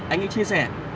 anh ấy chia sẻ